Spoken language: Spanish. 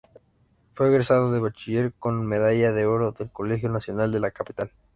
Fue egresado bachiller con medalla de oro del Colegio Nacional de la Capital.